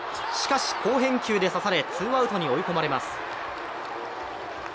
しかし、好返球で刺され、ツーアウトに追い込まれます。